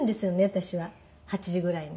私は８時ぐらいに。